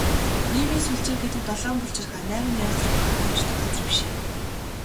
Нийгмийн сүлжээ гэдэг долоон булчирхай, найман найлзуурхайгаа тоочдог газар биш ээ.